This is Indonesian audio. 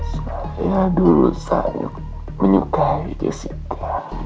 saya dulu sangat menyukai jessica